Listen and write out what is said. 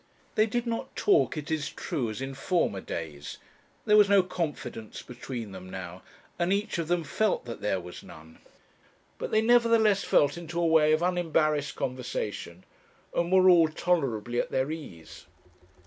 They did not talk, it is true, as in former days; there was no confidence between them now, and each of them felt that there was none; but they nevertheless fell into a way of unembarrassed conversation, and were all tolerably at their ease.